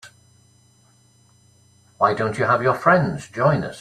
Why don't you have your friends join us?